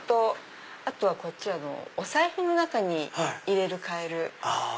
あとこっちはお財布の中に入れるカエル。